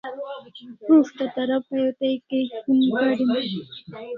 Prus't a Tara Pai o tai Kai phone kam